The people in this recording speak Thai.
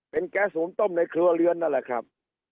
เป็นแก๊สหุ่มต้มในเครือเรือนนั่นแหละครับ